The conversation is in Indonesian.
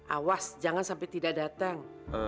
awas jangan sampai tidak datang